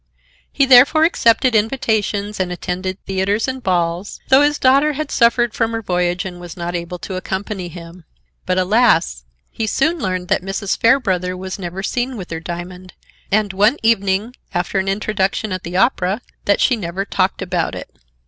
He therefore accepted invitations and attended theaters and balls, though his daughter had suffered from her voyage and was not able to accompany him. But alas! he soon learned that Mrs. Fairbrother was never seen with her diamond and, one evening after an introduction at the opera, that she never talked about it.